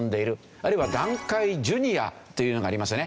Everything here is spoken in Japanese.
あるいは団塊ジュニアというのがありますね。